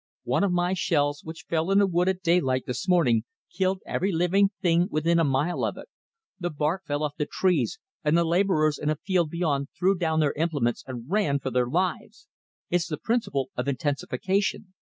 One of my shells, which fell in a wood at daylight this morning, killed every living thing within a mile of it. The bark fell off the trees, and the labourers in a field beyond threw down their implements and ran for their lives. It's the principle of intensification.